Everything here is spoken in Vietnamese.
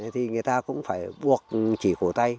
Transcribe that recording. thì người ta cũng phải buộc chỉ cầu tay